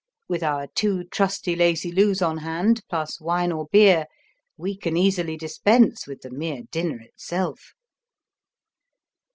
With our two trusty Lazy Lous on hand plus wine or beer, we can easily dispense with the mere dinner itself.